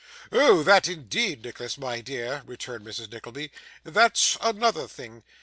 'Oh that, indeed, Nicholas, my dear,' returned Mrs. Nickleby, 'that's another thing.